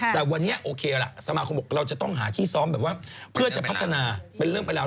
แต่วันนี้โอเคล่ะสมาคมบอกเราจะต้องหาที่ซ้อมแบบว่าเพื่อจะพัฒนาเป็นเรื่องไปแล้ว